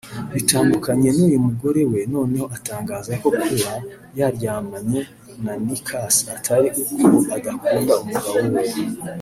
bitandukanye nuyu mugore we noneho atangaza ko kuba yaryamanye na Nicas Atari uko adakunda umugabo we